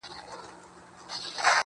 • يار ژوند او هغه سره خنـديږي.